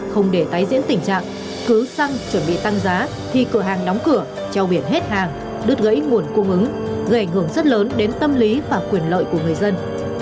không để tái diễn tình trạng cứ xăng chuẩn bị tăng giá thì cửa hàng đóng cửa treo biển hết hàng đứt gãy nguồn cung ứng gây ảnh hưởng rất lớn đến tâm lý và quyền lợi của người dân